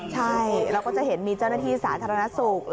ใช่เราก็จะเห็นมีเจ้าหน้าที่สาธารณสุข